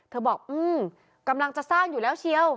บอกกำลังจะสร้างอยู่แล้วเชียว